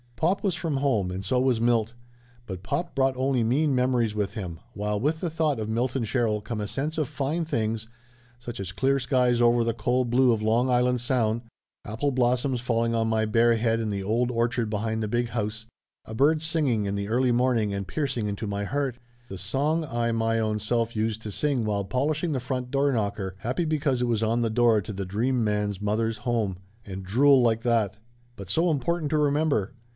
Pop was from home, and so was Milt. But pop brought only mean memories with him, while with the thought of Milton Sherrill come a sense of fine things, such as clear skies over the cold blue of Long Island Sound ; apple blossoms falling on my bare head in the old orchard behind the big house ; a bird singing in the early morning and piercing into my heart; the song I my own self used to sing while polishing the front door knocker, happy because it was on the door to the Dream man's mother's home. And drool like that. But so important to remember!